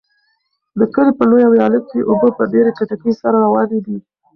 د کلي په لویه ویاله کې اوبه په ډېرې چټکۍ سره روانې دي.